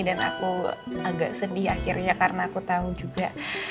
dan aku agak sedih akhirnya karena aku tahu juga